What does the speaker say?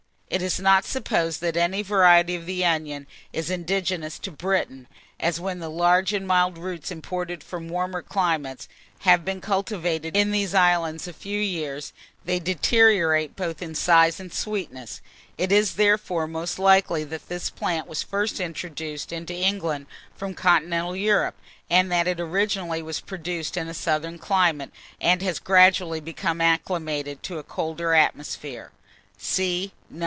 It is not supposed that any variety of the onion is indigenous to Britain, as when the large and mild roots imported from warmer climates, have been cultivated in these islands a few years, they deteriorate both in size and sweetness. It is therefore most likely that this plant was first introduced into England from continental Europe, and that it originally was produced in a southern climate, and has gradually become acclimatized to a colder atmosphere. (See No.